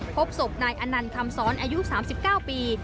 พบศพนายอนันต์คำสอนอายุ๓๙ปี